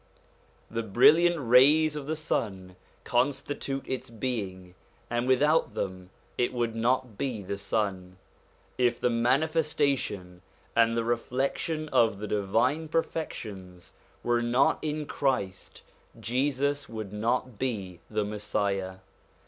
The brilliant rays of the sun constitute its being, and without them it would not be the sun. If the mani festation and the reflection of the divine perfections were not in Christ, Jesus would not be the Messiah.